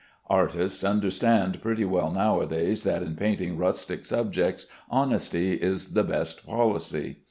Artists understand pretty well nowadays that in painting rustic subjects, honesty is the best policy.